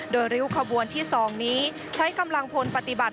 โดยริ้วขบวนที่๒นี้ใช้กำลังพลปฏิบัติ